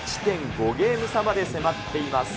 ゲーム差まで迫っています。